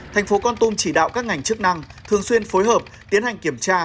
thành phố con tum chỉ đạo các ngành chức năng thường xuyên phối hợp tiến hành kiểm tra